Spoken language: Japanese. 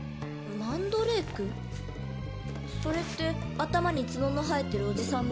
それって頭にツノの生えてるおじさんのこと？